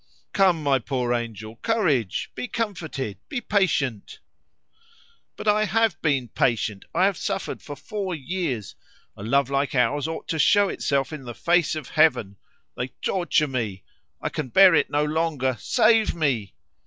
"Come, my poor angel, courage! Be comforted! be patient!" "But I have been patient; I have suffered for four years. A love like ours ought to show itself in the face of heaven. They torture me! I can bear it no longer! Save me!"